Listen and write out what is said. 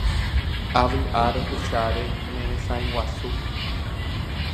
Avy'a rohecháre neresãiguasu